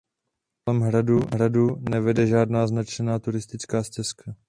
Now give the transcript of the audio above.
Kolem hradu nevede žádná značená turistická stezka.